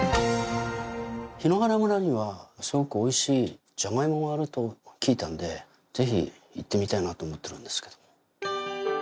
檜原村にはすごくおいしいじゃがいもがあると聞いたのでぜひ行ってみたいなと思っているんですけど。